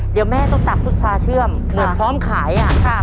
เดี๋ยวแม่ต้องตักภุตสาห์เชื่อมเหมือนพร้อมขายอ่ะค่ะ